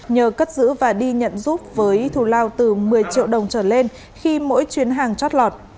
nhờ cất giữ và đi nhận giúp với thù lao từ một mươi triệu đồng trở lên khi mỗi chuyến hàng chót lọt